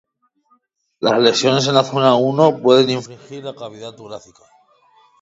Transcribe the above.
Las lesiones en la Zona I pueden infringir la cavidad torácica.